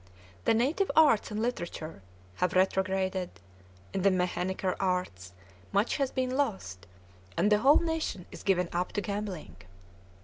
The native arts and literature have retrograded; in the mechanic arts much has been lost; and the whole nation is given up to gambling.